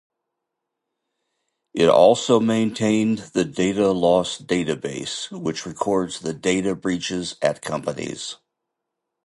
It also maintained the Data Loss Database, which records the data breaches at companies.